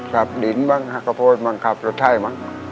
กับดินบ้างหักกระโพดบ้างขับรถใช่มั้ง